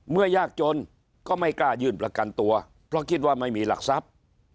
ยากจนก็ไม่กล้ายื่นประกันตัวเพราะคิดว่าไม่มีหลักทรัพย์